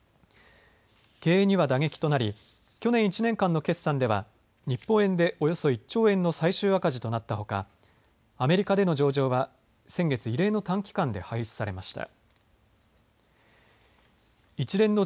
経営には打撃となり、去年１年間の決算では、日本円でおよそ１兆円の最終赤字となったほか、アメリカでの上場は先月、異例の短期間で廃止されました。